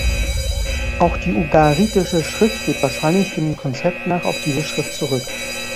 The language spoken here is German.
Auch die ugaritische Schrift geht wahrscheinlich dem Konzept nach auf diese Schrift zurück.